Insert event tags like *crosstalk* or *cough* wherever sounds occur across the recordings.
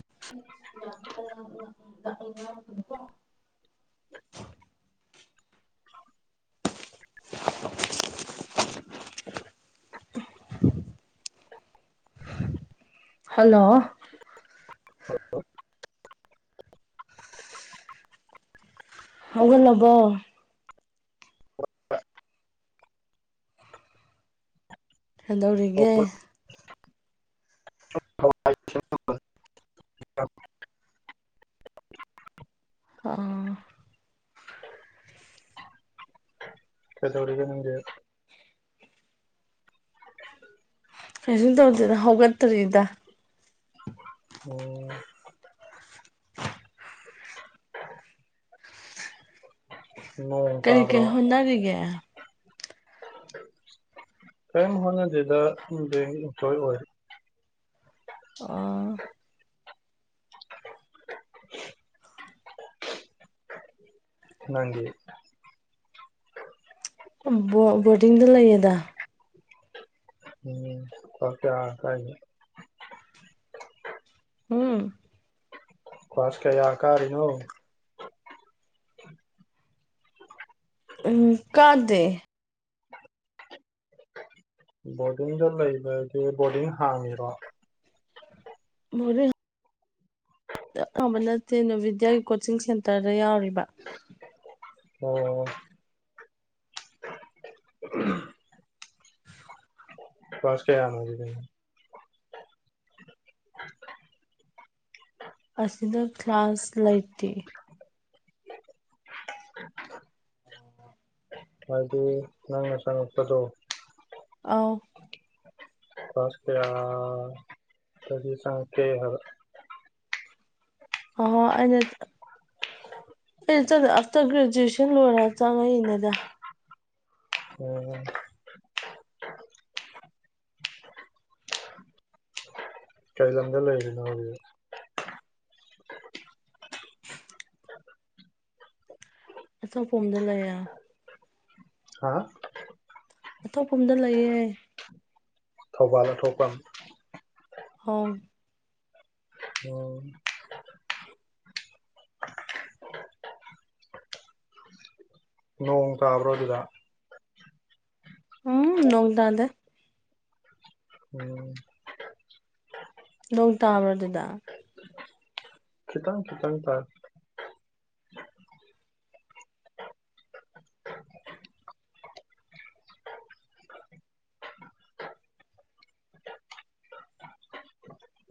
*unintelligible* hello ꯍꯧꯒꯠꯂꯕꯣ ꯀꯗꯧꯔꯤꯒꯦ *unintelligible* ꯑꯥ ꯀꯗꯧꯔꯤꯕ ꯅꯪꯗꯤ ꯀꯩꯁꯨꯨꯝ ꯇꯧꯗꯦꯗ ꯍꯧꯒꯠꯇ꯭ꯔꯤꯗ ꯎꯝ ꯅꯣꯡ ꯀꯩ ꯀꯩ ꯇꯥꯕ꯭ꯔꯣ ꯍꯣꯠꯅꯔꯤꯒꯦ *inaudible* ꯀꯩꯝ ꯍꯣꯠꯅꯗꯦꯗ ꯎꯝ ꯕꯦꯡ ꯒꯤ ꯏꯝꯄ꯭ꯂꯣꯏ ꯑꯣꯏ ꯑꯥ ꯅꯪꯗꯤ ꯕꯣ ꯕꯣꯔꯗꯤꯡꯗ ꯂꯩꯌꯦꯗ ꯎꯝ ꯀ꯭ꯂꯥꯁ ꯀꯌꯥ ꯀꯥꯏꯅꯣ ꯍꯨꯝ ꯈ꯭ꯋꯥꯁ ꯀꯌꯥ ꯀꯥꯔꯤꯅꯣ ꯎꯝ ꯀꯥꯗꯦ ꯕꯣꯔꯗꯤꯡꯗ ꯂꯩꯕꯗꯤ ꯕꯣꯔꯗꯤꯡ ꯍꯥꯡꯉꯤꯔꯣ ꯕꯣꯔꯤꯡ ꯇꯠ ꯂꯥꯎꯕ ꯅꯠꯇꯦ ꯅꯥꯚꯣꯗ꯭ꯌꯥꯒꯤ ꯀꯣꯆꯤꯡ ꯁꯦꯟꯇꯔꯗ ꯌꯥꯎꯔꯤꯕ ꯑꯣ ꯄꯥꯁ ꯀꯌꯥꯅꯣ ꯑꯗꯨꯗꯤ ꯑꯁꯤꯗ ꯀ꯭ꯂꯥꯁ ꯂꯩꯇꯦ ꯍꯥꯏꯗꯤ ꯅꯪꯅ ꯆꯉꯛꯄꯗꯣ ꯑꯥꯎ ꯀ꯭ꯂꯥꯁ ꯀꯌꯥꯗꯒꯤ ꯆꯪꯉꯛꯀꯦ ꯍꯥꯏꯕ ꯑꯣꯍꯣ ꯑꯩꯅ ꯆ ꯑꯩꯅ ꯆꯪꯉ ꯑꯞꯇꯔ ꯒ꯭ꯔꯦꯖꯨꯑꯦꯁꯟ ꯂꯣꯏꯔ ꯆꯪꯉꯛꯏꯅꯦꯗ ꯎꯝ ꯀꯩ ꯂꯝꯗ ꯂꯩꯔꯤꯅꯣ ꯑꯗꯨꯗꯤ ꯑꯊꯣꯛꯄꯝꯗ ꯂꯩꯌꯦ ꯍꯥꯥ ꯑꯊꯣꯛꯄꯝꯗ ꯂꯩꯌꯦ ꯊꯧꯕꯥꯜ ꯑ ꯊꯣꯛꯄꯝ ꯍꯥꯎ *unintelligible* ꯅꯣꯡ ꯇꯥꯕ꯭ꯔꯣ ꯑꯗꯨꯗ ꯎꯝ ꯅꯣꯡꯇꯥꯗꯦ ꯎꯝ ꯅꯣꯡ ꯇꯥꯕ꯭ꯔꯣ ꯗꯨꯗ ꯈꯤꯇꯪ ꯈꯤꯇꯪ ꯇꯥꯢ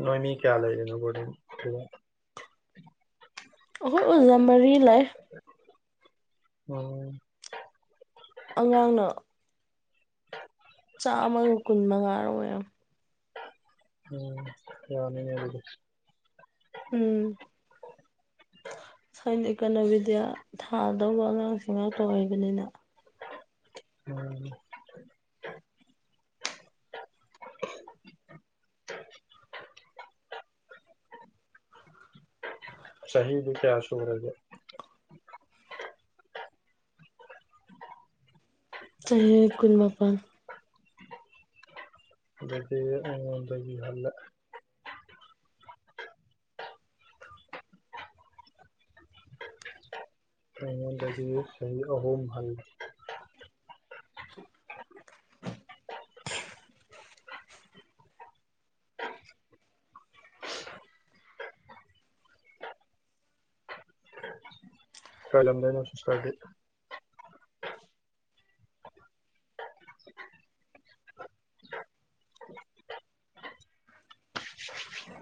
ꯅꯣꯏ ꯃꯤ ꯀꯌꯥ ꯂꯩꯔꯤꯅꯣ ꯕꯣꯔꯗꯤꯡ ꯑꯈꯣꯏ ꯑꯣꯖꯥ ꯃꯔꯤ ꯂꯩ ꯎꯝ ꯑꯉꯥꯡꯅ ꯆꯥꯝꯃꯒ ꯀꯨꯟ ꯃꯉꯥꯔ ꯑꯣꯏꯔꯝ ꯎꯝ ꯌꯥꯝꯃꯤꯅꯦ ꯑꯗꯨꯗꯤ ꯎꯝ ꯁꯥꯏꯟ ꯏꯀꯅꯣꯃꯦꯗꯤꯌꯥ ꯊꯥꯗꯧꯕ ꯑꯉꯥꯡꯁꯤ ꯉꯥꯛꯇ ꯑꯣꯏꯕꯅꯤꯅ *unintelligible* ꯉꯁꯥꯢꯒꯤ ꯃꯤꯀꯌꯥ ꯁꯨꯔꯒꯦ ꯆꯍꯤ ꯀꯨꯟꯃꯄꯟ ꯑꯗꯩꯗꯤ ꯑꯗꯒꯤ ꯍꯜꯂꯦ ꯑꯩꯉꯣꯟꯗꯒꯤ ꯆꯍꯤ ꯑꯍꯣꯝ ꯍꯜꯂꯦ ꯀ ꯂꯝꯗꯩꯅꯣ ꯁꯤꯁꯇꯔꯗꯤ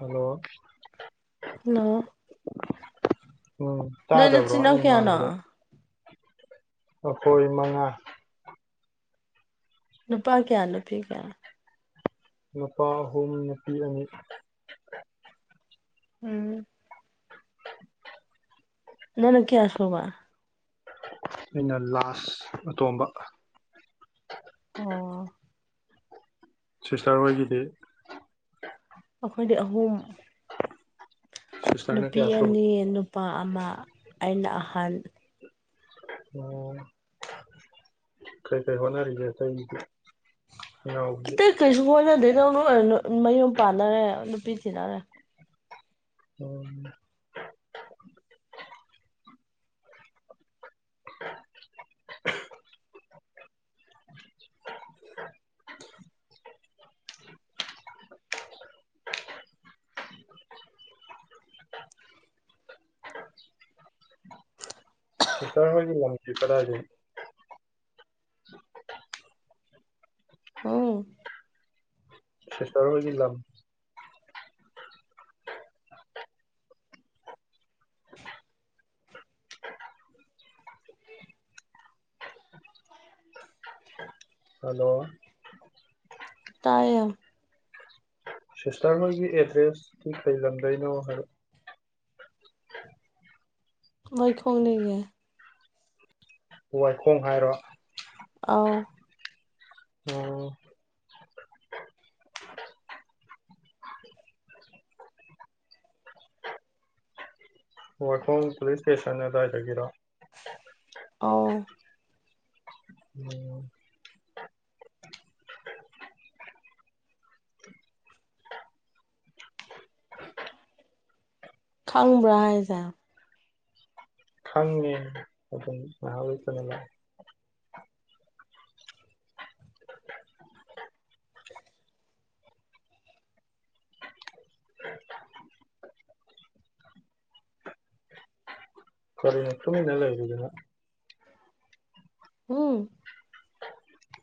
ꯍꯜꯂꯣ ꯅꯣ ꯎꯝ ꯅꯣꯏ ꯇꯥꯗꯕ꯭ꯔꯣ ꯅꯆꯤꯟ ꯅꯅꯥꯎ ꯑꯩꯅ ꯀꯌꯥꯅꯣ ꯉꯥꯡꯕꯔꯣ ꯑꯈꯣꯏ ꯃꯉꯥ ꯅꯨꯄꯥ ꯀꯌꯥ ꯅꯨꯄꯤ ꯀꯌꯥ ꯅꯨꯄꯥ ꯑꯍꯨꯝ ꯅꯨꯄꯤ ꯑꯅꯤ *unintelligible* ꯎꯝ ꯅꯅ ꯀ꯭ꯌꯥ ꯁꯨꯕ ꯑꯩꯅ ꯂꯥꯁ ꯑꯇꯣꯝꯕ ꯑꯣ ꯁꯤꯁꯇꯔ ꯍꯣꯏꯒꯤꯗꯤ ꯑꯈꯣꯏꯗꯤ ꯑꯍꯨꯝ ꯁꯤꯁꯇꯔꯅ ꯀꯌꯥ ꯅꯨꯄꯤ ꯁꯨꯕ ꯑꯅꯤ ꯅꯨꯄꯥ ꯑꯃ ꯑꯩꯅ ꯑꯍꯟ ꯑꯣ ꯀꯩ ꯀꯩ ꯍꯣꯅꯔꯤꯒꯦ ꯑꯇꯩꯗꯤ ꯏꯅꯥꯎꯕꯗꯤ ꯑꯇꯩ ꯀꯩꯁꯨ ꯍꯣꯏꯅꯗꯦꯗ ꯃꯌꯨꯝ ꯄꯥꯟꯅꯔꯦ ꯅꯨꯄꯤ ꯊꯤꯅꯔꯦ ꯑꯣ ꯁꯤꯁꯇꯔ ꯍꯣꯢꯒꯤ ꯂꯕꯖꯦ ꯀꯗꯥꯢꯗꯩꯅꯣ ꯍꯎꯝ ꯁꯤꯁꯇꯔ ꯍꯣꯢꯒꯤ ꯂꯝ ꯍꯜꯂꯣ ꯇꯥꯢꯌꯦ ꯁꯤꯁꯇꯔ ꯍꯣꯏꯒꯤ ꯑꯦꯗ꯭ꯔꯦꯁꯇꯣ ꯀꯩ ꯂꯝꯗꯩꯅꯣ ꯍꯥꯏꯔꯛꯑꯣ ꯋꯥꯏꯈꯣꯡꯗꯒꯤ ꯋꯥꯏꯈꯣꯡ ꯍꯥꯏꯔꯣ ꯑꯥꯎ ꯑꯣ ꯋꯥꯏꯈꯣꯡ ꯄꯨꯂꯤꯁ ꯏꯁ꯭ꯇꯦꯁꯟ ꯑꯗꯨꯋꯥꯏꯗꯒꯤꯔꯣ ꯑꯥꯎ ꯑꯣ ꯈꯪꯕ꯭ꯔꯥ ꯍꯥꯏꯁꯦ ꯈꯪꯉꯦ ꯑꯗꯨꯝ *unintelligible* *unintelligible* *unintelligible*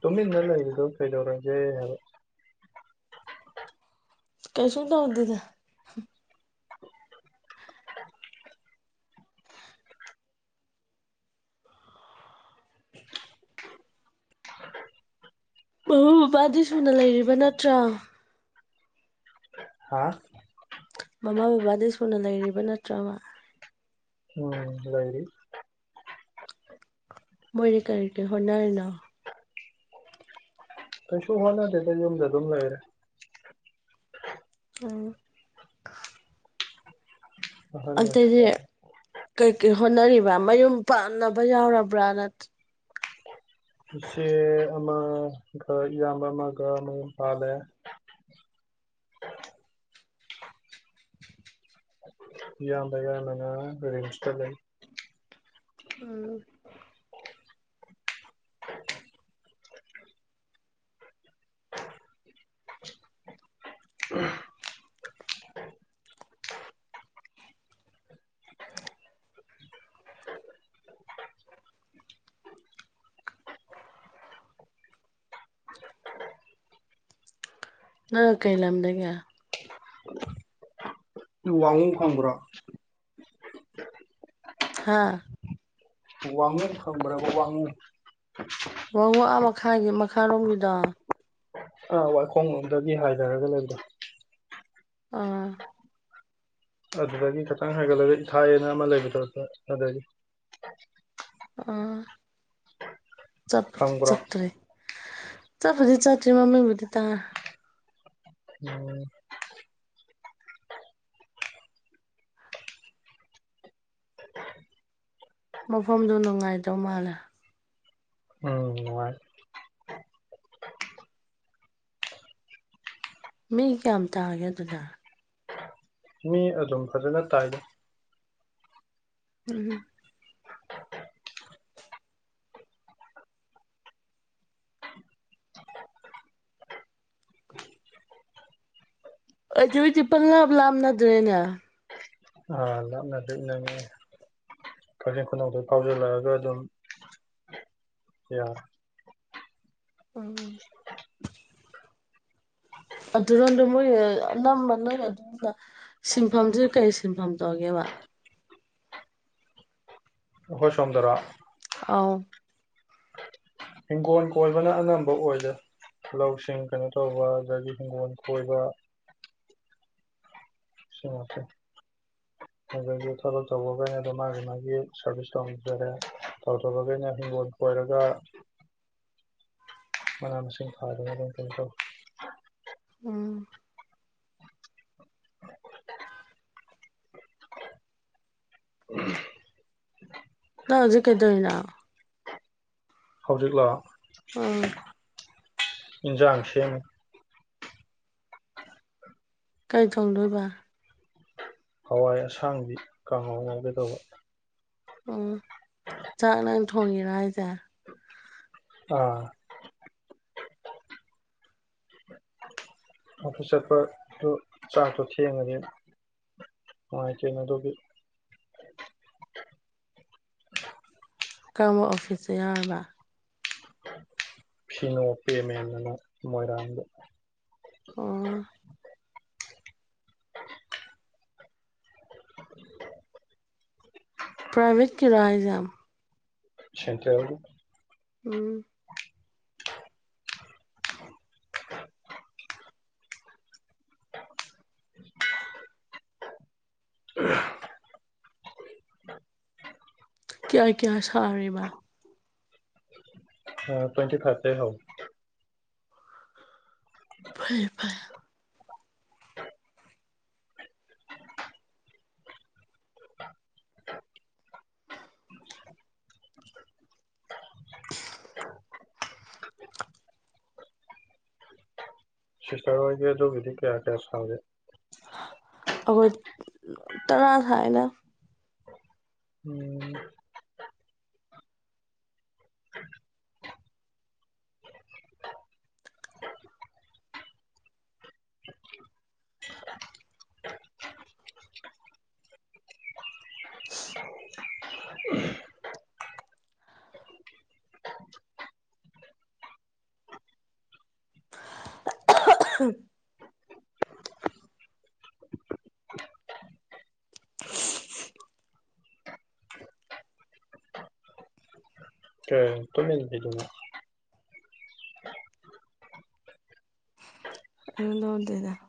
ꯇꯨꯃꯤꯟꯅ ꯂꯩꯔꯤꯗꯨ ꯀꯩꯗꯧꯔꯒꯦ ꯍꯥꯏꯕ ꯀꯩꯁꯨ ꯇꯧꯗꯦꯗ *inaudible* ꯃꯕꯨꯡ ꯃꯄ꯭ꯋꯥꯗꯤ ꯁꯨꯅ ꯂꯩꯔꯤꯕ ꯅꯠꯇ꯭ꯔ ꯍꯥꯥ ꯃꯃꯥ ꯕꯕꯥꯗ ꯁꯨꯅ ꯂꯩꯔꯤꯕ ꯅꯠꯇ꯭ꯔꯕ ꯎꯝ ꯂꯩꯔꯤ ꯃꯣꯏꯗꯤ ꯀꯔꯤ ꯀꯔꯤ ꯍꯣꯠꯅꯔꯤꯅꯣ ꯀꯩꯁꯨꯨ ꯍꯣꯅꯗꯦꯗ ꯌꯨꯝꯗ ꯑꯗꯨꯝ ꯂꯩꯔꯦ *inaudible* ꯑꯍꯟ ꯑꯇꯩꯗꯤ ꯑꯣꯏꯁꯤꯜꯂꯛ ꯀꯩꯀꯩ ꯍꯣꯠꯅꯔꯤꯕ ꯃꯌꯨꯝ ꯄꯥꯟꯅꯕ ꯌꯥꯎꯔꯕ꯭ꯔꯥ ꯅꯠ ꯏꯆꯦ ꯑꯃꯒ ꯏꯌꯥꯝꯕ ꯑꯃꯒ ꯃꯌꯨꯝ ꯄꯥꯜꯂꯦ ꯏꯌꯥꯝꯕ ꯌꯥꯏꯃꯅ ꯔꯤꯝꯁ ꯇ ꯂꯩ ꯎꯝꯝ ꯅꯪꯅ ꯀꯩ ꯂꯝꯗꯒꯤ *inaudible* ꯋꯥꯡꯉꯨ ꯈꯪꯕ꯭ꯔꯣ ꯍꯥꯥ ꯋꯥꯡꯉꯨ ꯈꯪꯕ꯭ꯔꯕ ꯋꯥꯡꯉꯨ ꯋꯥꯡꯉꯨ ꯑ ꯃꯈꯥꯒꯤ ꯃꯈꯥꯔꯣꯝꯒꯤꯗꯣ ꯑꯥ ꯋꯥꯏꯈꯣꯡ ꯂꯣꯝꯗꯒꯤ ꯍꯥꯏꯗꯔꯒ ꯂꯩꯕꯗꯣ ꯑ ꯑꯗꯨꯗꯒꯤ ꯈꯤꯇꯪ ꯍꯥꯏꯒꯠꯂꯒ ꯏꯊꯥꯏ ꯍꯥꯏꯅ ꯑꯃ ꯂꯩꯕꯗꯣ ꯑꯗꯒꯤ ꯑ ꯆꯠꯄꯗꯤ ꯈꯪꯕ꯭ꯔꯣ ꯆꯠꯇ꯭ꯔꯤ ꯆꯠꯄꯨꯗꯤ ꯆꯠꯇ꯭ꯔꯤ ꯃꯃꯤꯡꯕꯨꯗꯤ ꯇꯥꯔꯦ ꯑꯣ ꯃꯐꯝꯗꯣ ꯅꯨꯡꯉꯥꯏꯗꯧ ꯃꯥꯜꯂꯦ ꯎꯝ ꯅꯨꯡꯉꯥꯏ ꯃꯤ ꯀꯌꯥꯝ ꯇꯥꯒꯦ ꯑꯗꯨꯗ ꯃꯤ ꯑꯗꯨꯝ ꯐꯖꯅ ꯇꯥꯏꯗ ꯎꯝ ꯑꯗꯨꯗꯤ ꯄꯪꯪꯂꯥꯞ ꯂꯥꯞꯅꯗ꯭ꯔꯦꯅꯦ ꯑ ꯂꯥꯞꯅꯗ꯭ꯔꯦ ꯏꯅꯛ ꯅꯛꯑꯦ ꯀꯛꯆꯤꯡ ꯈꯨꯅꯧꯗꯩ ꯐꯥꯎꯖꯤꯜꯂꯒꯗꯨꯝ ꯌꯥꯔꯦ ꯎꯝ ꯑꯗꯨꯔꯣꯟꯗ ꯃꯣꯏ ꯑꯅꯝꯕ ꯗꯨꯝ ꯁꯤꯟꯐꯝꯁꯦ ꯀꯩ ꯁꯤꯟꯐꯝ ꯇꯧꯒꯦꯕ ꯑꯣꯈꯣꯏ ꯁꯣꯝꯗꯔꯣ ꯑꯥꯎ ꯍꯤꯡꯒꯣꯟ ꯀꯣꯏꯕꯅ ꯑꯅꯝꯕ ꯑꯣꯏꯗ ꯂꯧꯁꯤꯡ ꯀꯩꯅꯣ ꯇꯧꯕ ꯑꯗꯒꯤ ꯍꯤꯡꯒꯣꯟ ꯀꯣꯏꯕ ꯁꯤ ꯉꯥꯛꯇꯟ *inaudible* ꯑꯗꯒꯤ ꯊꯕꯛ ꯇꯧꯕꯒꯩꯅꯗꯨꯝ ꯃꯥꯒꯤ ꯃꯥꯒꯤ ꯁꯥꯔꯚꯤꯁ ꯇꯧꯖꯔꯦ ꯇꯧꯊꯕꯒꯩꯅ ꯍꯤꯡꯒꯣꯟ ꯀꯣꯏꯔꯒ ꯃꯅꯥ ꯃꯁꯤꯡ ꯊꯥꯗꯅ ꯑꯗꯨꯝ ꯀꯩꯅꯣ ꯇ ꯎꯝ ꯅ ꯍꯧꯖꯤꯛ ꯀꯩꯗꯣꯏꯅꯣ ꯍꯧꯖꯤꯛꯂꯣ ꯎꯝ ꯏꯟꯖꯥꯡ ꯁꯦꯝꯃꯤ ꯀꯔꯤ ꯊꯣꯡꯗꯣꯏꯕ ꯍꯋꯥꯏ ꯑꯁꯥꯡꯕꯤ ꯀꯥꯡꯍꯥꯎ ꯉꯥꯏꯒꯗꯧꯕ ꯎꯝ ꯆꯥꯛ ꯅꯪ ꯊꯣꯡꯉꯤꯔ ꯍꯥꯏꯁꯦ ꯑꯥ ꯑꯗꯨꯐ ꯆꯠꯄꯗꯨ ꯆꯥꯇꯣ ꯊꯦꯡꯉꯗꯤ ꯅꯨꯡꯉꯥꯏꯇꯦꯅ ꯑꯗꯨꯒꯤ ꯀꯔꯝꯕ ꯑꯣꯐꯤꯁꯇ ꯌꯥꯔꯕ ꯐꯤꯅꯣꯛꯄꯦ ꯑꯅ ꯃꯣꯏꯔꯥꯡꯗ ꯑꯣ ꯄ꯭ꯔꯥꯏꯚꯦꯠꯀꯤ ꯔꯥꯏ ꯍꯥꯏꯁꯦ *unintelligible* ꯎꯝ ꯀꯌꯥ ꯀꯌꯥ ꯁꯥꯔꯤꯕ ꯇ꯭ꯋꯦꯟꯇꯤ ꯐꯥꯏꯚ ꯇꯩ ꯍꯧꯏ ꯐꯔꯦ ꯐꯔꯦ ꯁꯤꯁꯇꯔ ꯍꯣꯏꯒꯤ ꯑꯗꯨꯒꯤꯗꯤ ꯀꯌꯥ ꯀꯌꯥ ꯁꯥꯒꯦ ꯑꯩꯈꯣꯏ ꯇꯔꯥ ꯁꯥꯏꯗ ꯎꯝ *inaudible* *inaudible* *unintelligible* *unintelligible*